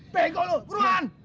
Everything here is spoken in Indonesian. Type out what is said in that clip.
pegang lu buruan